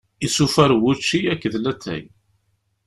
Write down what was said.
Isufar n wučči akked latay.